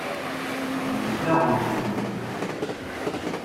Yessaɣ udfel fell-i.